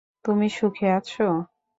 তুমি সুখে আছো?